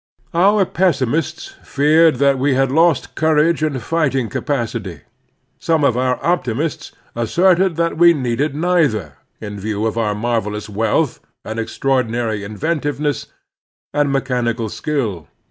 Our pessimists feared that we had lost courage and fighting capacity ; some of our optimists asserted that we needed neither, in view of our marvelotis wealth and extraordinary inventiveness and me chanical skill.